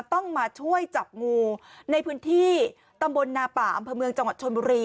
ต้องมาช่วยจับงูในพื้นที่ตำบลนาป่าอำเภอเมืองจังหวัดชนบุรี